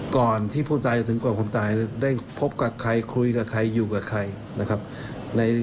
ก่อนที่ผู้ตายจะถึงก่อนคนตายได้พบกับใครคุยกับใครอยู่กับใครนะครับ